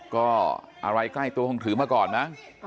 ก็อะไรใกล้ตัวถือมาก่อนนะ